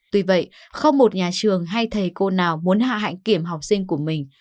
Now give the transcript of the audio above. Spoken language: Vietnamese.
tuy vậy không một nhà trường hay thầy cô nào muốn hạ hạnh kiểm học sinh của mình